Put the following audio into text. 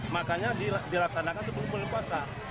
makanya dilaksanakan sebelum bulan puasa